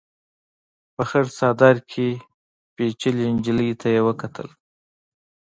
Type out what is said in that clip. په خړ څادر کې پيچلې نجلۍ ته يې وکتل.